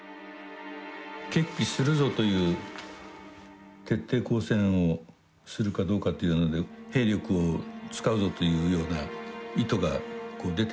決起するぞという徹底抗戦をするかどうかというので兵力を使うぞというような意図が出てきてるわけですね。